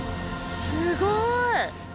すごい！